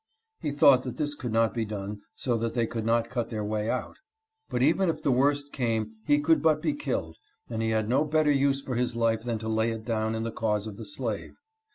He thought that this could not be done so they could not cut their way out, but even if the worst came he could but be killed, and he had no better use for his life than to lay it down in the cause of the slave.'